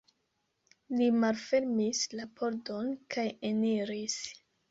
Li malfermis la pordon kaj eniris.